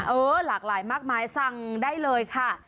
เออหลากหลายมากมายสั่งได้เลยค่ะ